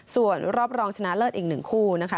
ส่วนรอบรองชนะเลิศอีก๑คู่นะคะ